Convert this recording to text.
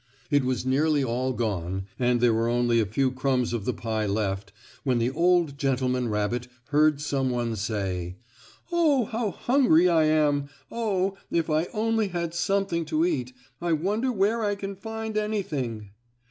It was nearly all gone, and there were only a few crumbs of the pie left, when the old gentleman rabbit heard some one say: "Oh, how hungry I am! Oh, if I only had something to eat. I wonder where I can find anything?"